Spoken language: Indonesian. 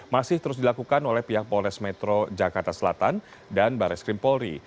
masih terus dilakukan oleh pihak polres metro jakarta selatan dan baris krim polri